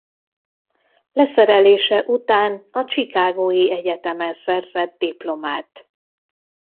Leszerelése után a Chicagói Egyetemen szerzett diplomát.